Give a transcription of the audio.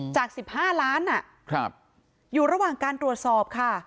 จาก๑๕ล้านอยู่ระหว่างการตรวจสอบค่ะ